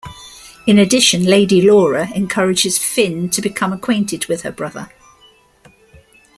In addition, Lady Laura encourages Finn to become acquainted with her brother.